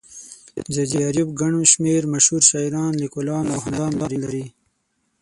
ځاځي اريوب گڼ شمېر مشهور شاعران، ليکوالان او هنرمندان لري.